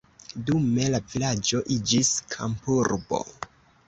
Dume la vilaĝo iĝis kampurbo.